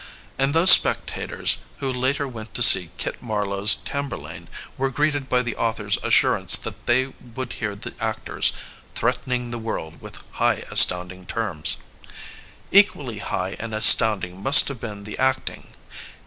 And those spectators who later went to see Kit Marlowe's Tamburlaine were greeted by the author's assurance that they would hear the actors ^* threatening the world with high astounding terms. '' Equally high and astound ing must have been the acting.